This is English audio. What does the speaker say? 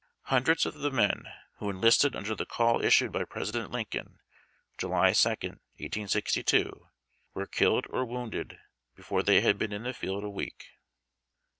Hundreds of the men who enlisted under the call issued by President Lincoln July 2, 1862, were killed or wounded before they had been in the field a week.